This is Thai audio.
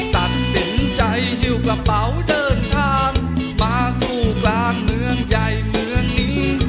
ตัดสินใจหิวกระเป๋าเดินทางมาสู่กลางเมืองใหญ่เมืองนี้